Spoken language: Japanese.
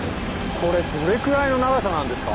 これどれくらいの長さなんですか？